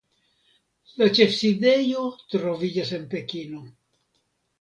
La ĉefsidejo troviĝas en Pekino.